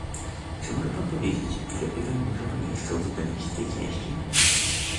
Czy może Pan powiedzieć, ile pytań może Pan jeszcze uwzględnić w tej części?